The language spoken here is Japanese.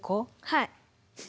はい。